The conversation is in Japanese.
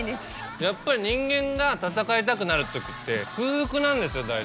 やっぱり人間が戦いたくなるときって空腹なんですよ大体。